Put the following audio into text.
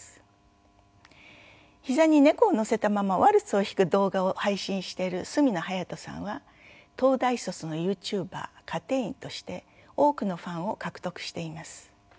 膝に猫を乗せたままワルツを弾く動画を配信している角野隼斗さんは東大卒のユーチューバー「かてぃん」として多くのファンを獲得しています。